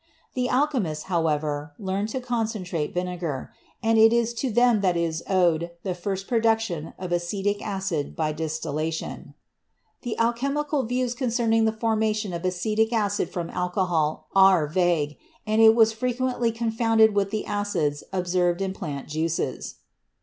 The alchemists, however, learned to concentrate vinegar, and it is to them that is owed the first production of acetic acid by distillation. The 60 CHEMISTRY alchemical views concerning the formation of acetic acid from alcohol are vague and it was frequently confounded with the acids observed in plant juices.